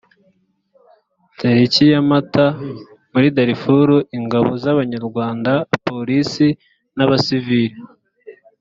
tariki ya mata muri darfur ingabo z abanyarwanda polisi n abasiviri